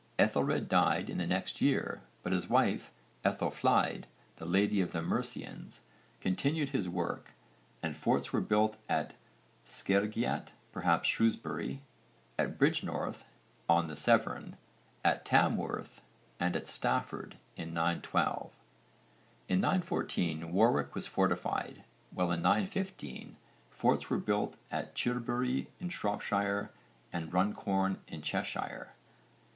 Aethelred died in the next year, but his wife Aethelflæd, the 'Lady of the Mercians,' continued his work, and forts were built at 'Scergeat,' perhaps Shrewsbury, at Bridgenorth on the Severn, at Tamworth, and at Stafford in 912. In 914 Warwick was fortified, while in 915 forts were built at Chirbury in Shropshire and Runcorn in Cheshire.